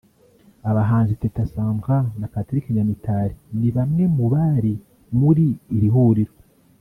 Abahanzi Teta Sandra na Patrick Nyamitari ni bamwe mu bari muri iri huriro